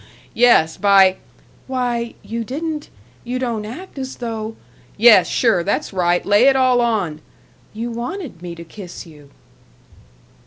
Yes, by " "Why, you didn't you don't act as though " "Yes, sure, that's right; lay it all on "" you wanted me to kiss you."